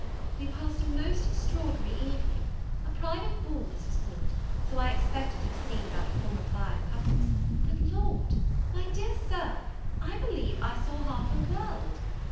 We passed a most extraordinary evening. A private ball this was called, so I expected to have seen about four or five couple; but Lord! my dear Sir, I believe I saw half the world!